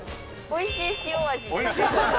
おいしい塩味。